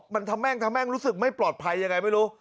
มันทะแม่งทะแม่งรู้สึกไม่ปลอดภัยยังไงไม่รู้